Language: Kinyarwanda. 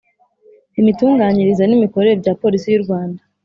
Imitunganyirize n imikorere bya polisi y u rwanda